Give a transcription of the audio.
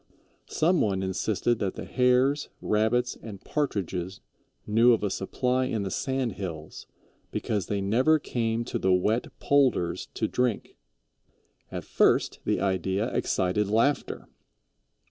Some one insisted that the Hares, Rabbits, and Partridges knew of a supply in the sand hills, because they never came to the wet "polders" to drink. At first the idea excited laughter.